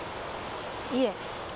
いえ。